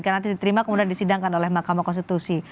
nanti diterima kemudian disidangkan oleh makamu konstitusi